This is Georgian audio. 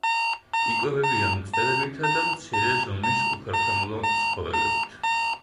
იკვებებიან მწერებითა და მცირე ზომის უხერხემლო ცხოველებით.